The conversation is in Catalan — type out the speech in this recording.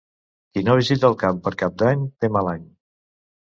Qui no visita el camp per Cap d'Any té mal any.